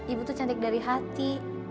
ibu tuh cantik dari hati